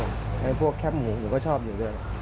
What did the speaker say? เพราะว่าแคปหมูหนูก็ชอบอยู่ด้วย